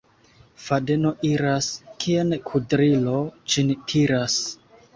Fadeno iras, kien kudrilo ĝin tiras.